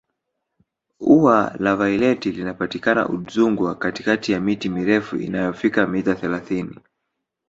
ua la vaileti linapatikana udzungwa katikati ya miti mirefu inayofika mita thelathini